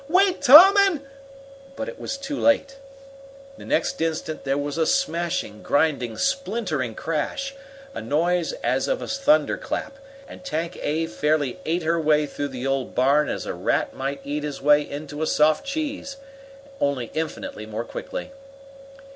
Wait, Tom, and " But it was too late. The next instant there was a smashing, grinding, splintering crash, a noise as of a thunder clap, and Tank A fairly ate her way through the old barn as a rat might eat his way into a soft cheese, only infinitely more quickly.